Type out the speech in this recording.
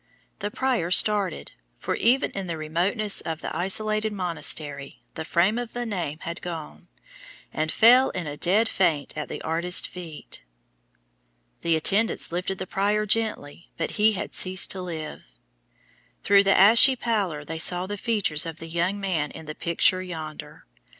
The prior started, for even in the remoteness of the isolated monastery the fame of that name had gone, and fell in a dead faint at the artist's feet. The attendants lifted the prior gently but he had ceased to live. Through the ashy pallor they saw the features of the young man in the picture yonder.